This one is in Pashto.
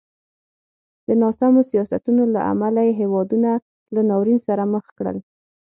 د ناسمو سیاستونو له امله یې هېوادونه له ناورین سره مخ کړل.